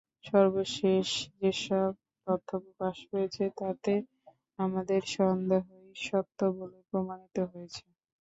সর্বশেষ যেসব তথ্য প্রকাশ পেয়েছে, তাতে আমাদের সন্দেহই সত্য বলে প্রমাণিত হয়েছে।